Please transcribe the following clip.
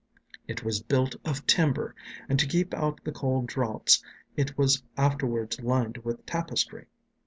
It was built of timber, and to keep out the cold draughts it was afterwards lined with tapestry.